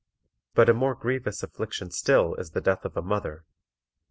But a more grievous affliction still is the death of a mother.